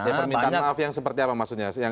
ada permintaan maaf yang seperti apa maksudnya